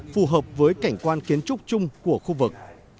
phù hợp với cảnh quan kiến trúc chung của khu vực